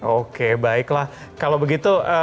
oke baiklah kalau begitu